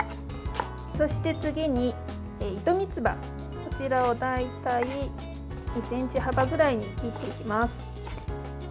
そして、次に糸みつばを大体２ｃｍ幅ぐらいに切っていきます。